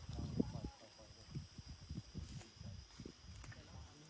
ไม่เอาแต่แบบนี้